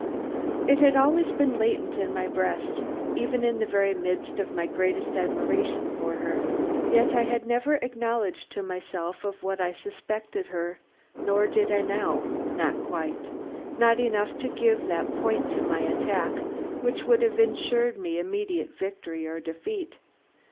It had always been latent in my breast, even in the very midst of my greatest admiration for her. Yet I had never acknowledged to myself of what I suspected her, nor did I now not quite not enough to give that point to my attack which would have insured me immediate victory or defeat.